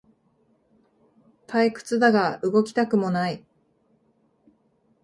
退屈だが動きたくもない